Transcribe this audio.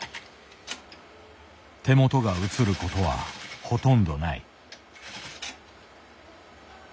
手元が映ることはほとんどない。